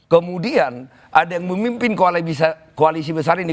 kemudian ada yang memimpin koalisi besar ini